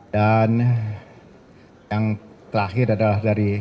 dan yang terakhir adalah dari